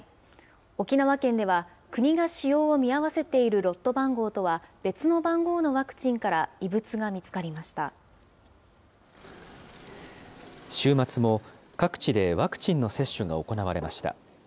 沖縄県では、国が使用を見合わせているロット番号とは別の番号のワクチンから週末も、各地でワクチンの接種が行われました。